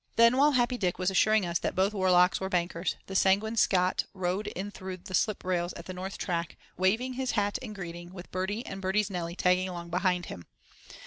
Then while Happy Dick was assuring us that "both Warlochs were bankers," the Sanguine Scot rode in through the slip rails at the North track, waving his hat in greeting and with Bertie and Bertie's Nellie tailing along behind him.